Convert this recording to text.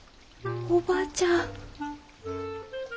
おばちゃん。